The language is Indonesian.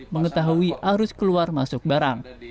mengetahui arus keluar masuk barang